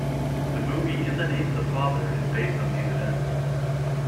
The movie "In the Name of the Father" is based on these events.